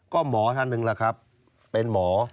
ก็หมอท่านหนึ่งล่ะครับเป็นหมอ